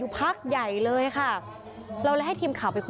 อุทธิวัฒน์อิสธิวัฒน์